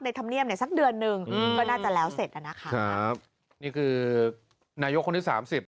ในธรรมเนียมเนี่ยสักเดือนนึงก็น่าจะแล้วเสร็จแล้วนะคะนี่คือนายกคนที่๓๐